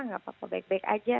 nggak apa apa baik baik aja